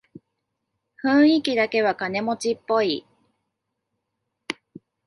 雰囲気だけは金持ちっぽい